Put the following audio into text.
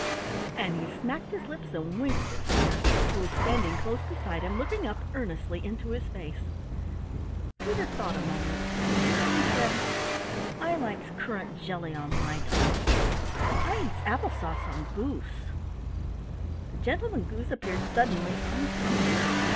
And he smacked his lips and winked at Peter who was standing close beside him, looking up earnestly into his face. Peter thought a moment. Then he said: "I likes currant jelly on my duck. I eats apple sauce on goose." The Gentleman Goose appeared suddenly uncomfortable.